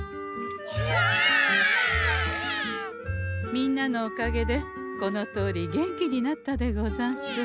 みんなのおかげでこのとおり元気になったでござんす。